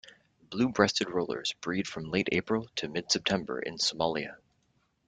Blue-breasted rollers breed from late April to mid-September in Somalia.